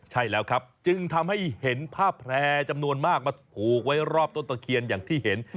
ใช่แล้วครับจึงทำให้เห็นผ้าแพร่จำนวนมากมาผูกไว้รอบต้นตะเคียนอย่างที่เห็น